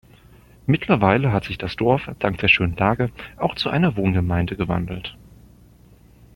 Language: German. Mittlerweile hat sich das Dorf dank der schönen Lage auch zu einer Wohngemeinde gewandelt.